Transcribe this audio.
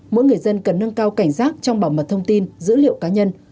mỗi người dân cần nâng cao cảnh giác trong bảo mật thông tin dữ liệu cá nhân